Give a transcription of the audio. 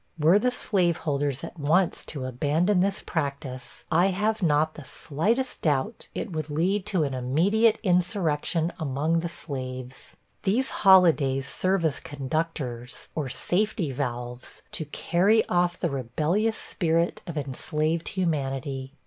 Were the slaveholders at once to abandon this practice, I have not the slightest doubt it would lead to an immediate insurrection among the slaves. These holidays serve as conductors, or safety valves, to carry off the rebellious spirit of enslaved humanity.